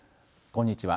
こんにちは。